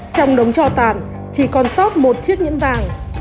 trong đống trò tàn chỉ còn sót một chiếc nhẫn vàng